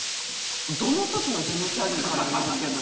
どの時のジム・キャリーかによるけど。